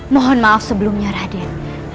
mohon maaf sebelumnya raden